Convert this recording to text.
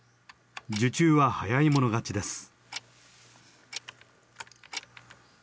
受注は早い者勝ちです。